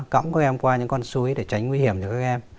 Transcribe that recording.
cõng các em qua những con suối để tránh nguy hiểm cho các em